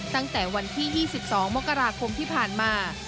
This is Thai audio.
ตั้งแต่วันที่๒๒มกราคมที่ผ่านมา